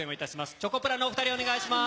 チョコプラのお２人、お願いします。